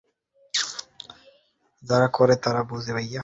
তিনি পরাজিত হন এবং আইয়ুব খান পুনরায় রাষ্ট্রপতি নির্বাচিত হন।